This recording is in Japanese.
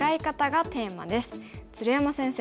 鶴山先生